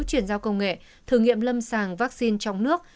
chuyển giao công nghệ thử nghiệm lâm sàng vaccine trong nước